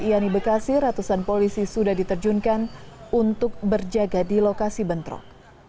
yani bekasi ratusan polisi sudah diterjunkan untuk berjaga di lokasi bentrok